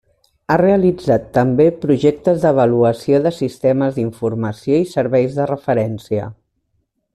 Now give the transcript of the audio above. Ha realitzat també projectes d'avaluació de sistemes d'informació i serveis de referència.